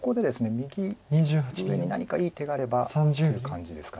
右上に何かいい手があればという感じですか。